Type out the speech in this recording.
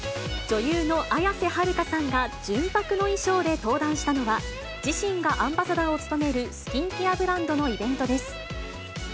女優の綾瀬はるかさんが純白の衣装で登壇したのは、自身がアンバサダーを務めるスキンケアブランドのイベントです。